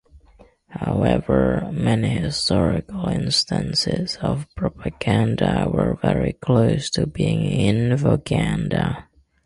However, many historical instances of propaganda were very close to being infoganda.